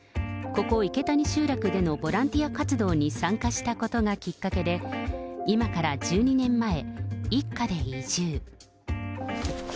ここ、池谷集落でのボランティア活動に参加したことがきっかけで、今から１２年前、一家で移住。